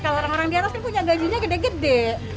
kalau orang orang di atas kan punya gajinya gede gede